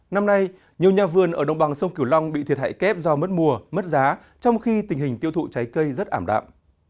năm nay nhiều nhà vườn ở đồng bằng sông kiều long bị thiệt hại kép do mất mùa mất giá trong khi tình hình tiêu thụ trái cây rất ảm đạm